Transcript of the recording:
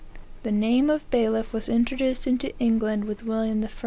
The name of bailiff was introduced into England with William I.